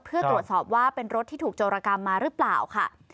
เพื่อตรวจสอบว่าเป็นรถที่ถูกโจรกรรมมาหรือเปล่าค่ะ